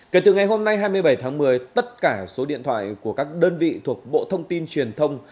kể từ ngày hôm nay hai mươi bảy tháng một mươi tất cả số điện thoại của các đơn vị thuộc bộ thông tin truyền thông